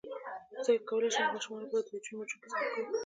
څنګه کولی شم د ماشومانو لپاره د یاجوج ماجوج کیسه وکړم